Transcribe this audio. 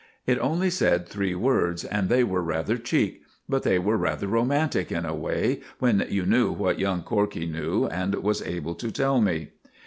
It only said three words, and they were rather cheek; but they were rather romantic in a way, when you knew what young Corkey knew and was able to tell me.